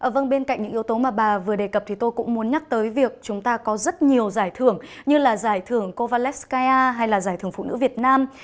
vâng bên cạnh những yếu tố mà bà vừa đề cập thì tôi cũng muốn nhắc tới việc chúng ta có rất nhiều giải thưởng như là giải thưởng kovalev skya hay là giải thưởng phụ nữ việt nam